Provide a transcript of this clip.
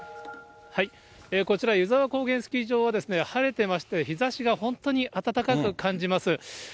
こちら、湯沢高原スキー場は、晴れてまして、日ざしが本当に暖かく感じます。